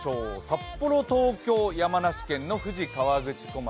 札幌、東京、山梨県の富士河口湖町